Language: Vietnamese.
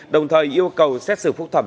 đồng thời yêu cầu xét xử phúc thẩm